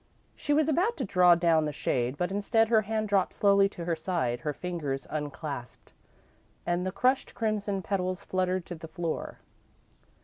She was about to draw down the shade, but, instead, her hand dropped slowly to her side, her fingers unclasped, and the crushed crimson petals fluttered to the floor.